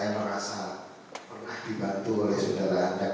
karena saya merasa pernah dibantu oleh saudara antep